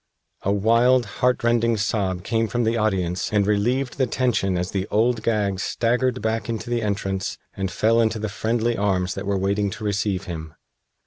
A wild, heartrending sob came from the audience and relieved the tension as the Old Gag staggered back into the entrance and fell into the friendly arms that were waiting to receive him.